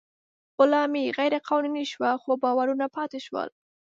غلامي غیر قانوني شوه، خو باورونه پاتې شول.